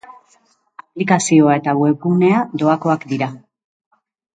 Aplikazioa eta webgunea doakoak dira.